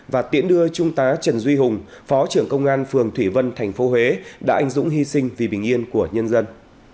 và tiễn đưa trung tá trần duy hùng phó trưởng công an phường thủy vân tp huế đã anh dũng hy sinh vì bình yên của nhân dân